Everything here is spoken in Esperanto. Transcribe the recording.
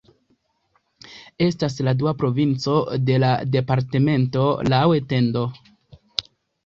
Estas la dua provinco de la departamento laŭ etendo.